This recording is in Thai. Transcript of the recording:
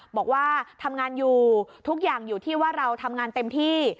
บอกว่าทำงานอยู่ทุกอย่างอยู่ที่ว่าเราทำงานเต็มที่